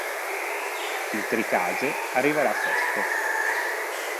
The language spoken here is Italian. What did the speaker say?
Il Tricase arriverà sesto.